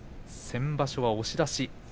先場所は押し出し。